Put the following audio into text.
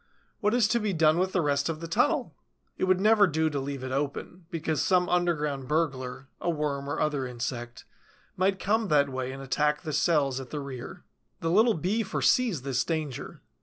What is to be done with the rest of the tunnel? It would never do to leave it open, because some underground burglar, a worm or other insect, might come that way and attack the cells at the rear. The little Bee foresees this danger.